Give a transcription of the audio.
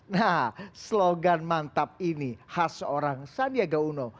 nah slogan mantap ini khas seorang sandiaga uno